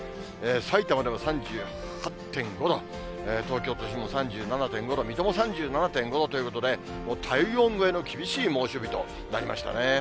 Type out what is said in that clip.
さいたまでも３８．５度、東京都心も３７．５度、水戸も３７．５度ということで、体温超えの厳しい猛暑日となりましたね。